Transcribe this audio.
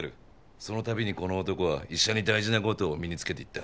その度にこの男は医者に大事な事を身につけていった。